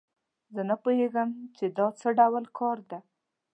زه نه پوهیږم چې دا څه ډول کار ده